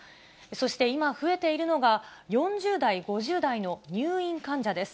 そして、今増えているのが、４０代、５０代の入院患者です。